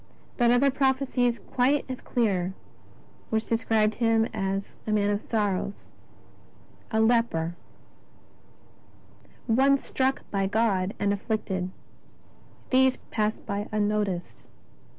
But other prophecies quite as clear which described Him as " a Man of sorrows, a Leper, One struck by God and afflicted," they passed by unnoticed.